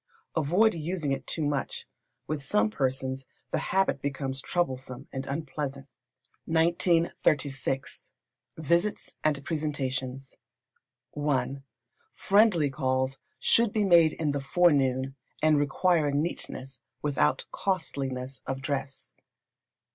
Avoid using it too much. With some persons the habit becomes troublesome and unpleasant. [PUNCTUALITY BEGETS CONFIDENCE.] 1936. Visits and Presentations. i. Friendly calls should be made in the forenoon, and require neatness, without costliness of dress.